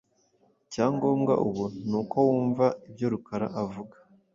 Icyangombwa ubu nuko wumva ibyo Rukara avuga.